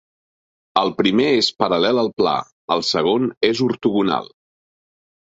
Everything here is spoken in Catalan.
El primer és paral·lel al pla, el segon és ortogonal.